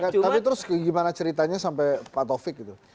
tapi terus gimana ceritanya sampai pak taufik gitu